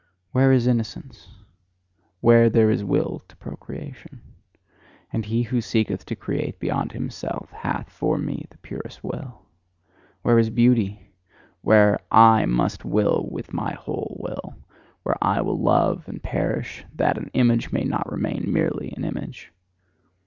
Where is innocence? Where there is will to procreation. And he who seeketh to create beyond himself, hath for me the purest will. Where is beauty? Where I MUST WILL with my whole Will; where I will love and perish, that an image may not remain merely an image.